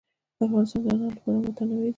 افغانستان د انار له پلوه متنوع دی.